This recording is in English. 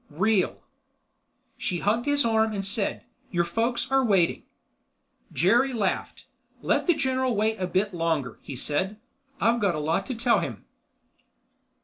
Real. She hugged his arm and said, "Your folks are waiting." Jerry laughed. "Let the general wait a bit longer," he said. "I've got a lot to tell him."